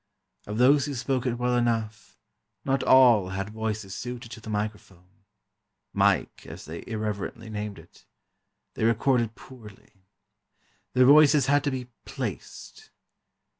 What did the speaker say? Of those who spoke it well enough, not all had voices suited to the microphone—("Mike," as they irreverently named it)—they recorded poorly. Their voices had to be "placed."